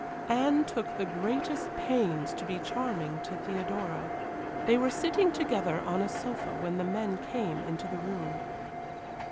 Anne took the greatest pains to be charming to Theodora. They were sitting together on a sofa when the men came into the room.